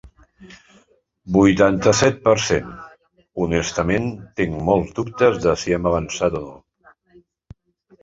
Vuitanta-set per cent Honestament tenc molts dubtes de si hem avançat o no.